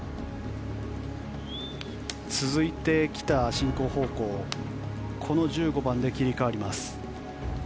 続いて、進行方向がこの１５番で切り替わります。